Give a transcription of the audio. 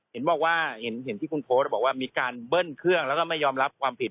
เห็นบอกว่าเห็นที่คุณโพสต์บอกว่ามีการเบิ้ลเครื่องแล้วก็ไม่ยอมรับความผิด